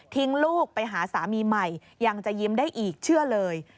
ลูกไปหาสามีใหม่ยังจะยิ้มได้อีกเชื่อเลย